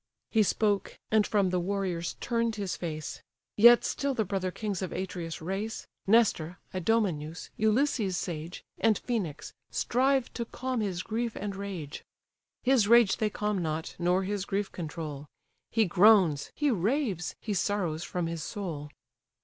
He spoke, and from the warriors turn'd his face: Yet still the brother kings of Atreus' race. Nestor, Idomeneus, Ulysses sage, And Phœnix, strive to calm his grief and rage: His rage they calm not, nor his grief control; He groans, he raves, he sorrows from his soul.